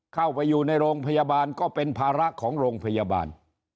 เข้าไปอยู่ในโรงพยาบาลก็เป็นภาระของโรงพยาบาล